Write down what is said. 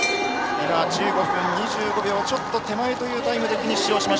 １５分２５秒ちょっと手前というところでフィニッシュです。